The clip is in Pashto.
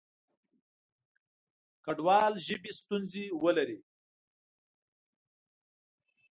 کډوال ژبې ستونزې ولري.